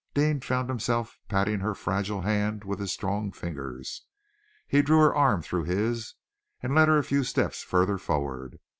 Deane found himself patting her fragile hand with his strong fingers. He drew her arm through his, and led her a few steps further forward.